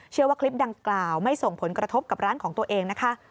ว่าคลิปดังกล่าวไม่ส่งผลกระทบกับร้านของตัวเองนะคะ